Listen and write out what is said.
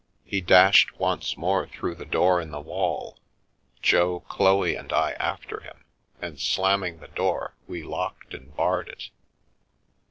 He dashed once more through the door in the wall, Jo, Chloe, and I after him, and slamming the door, we locked and barred it.